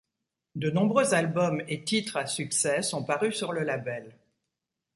De nombreux albums et titres à succès sont parus sur le label.